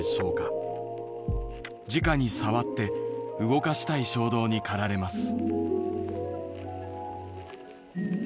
じかに触って動かしたい衝動に駆られます」。